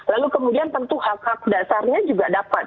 lalu kemudian tentu hak hak dasarnya juga dapat